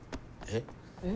えっ？